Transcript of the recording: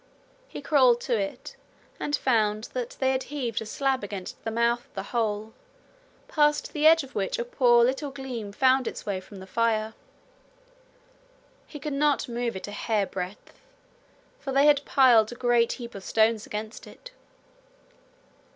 He crawled to it, and found that they had heaved a slab against the mouth of the hole, past the edge of which a poor little gleam found its way from the fire. He could not move it a hairbreadth, for they had piled a great heap of stones against it.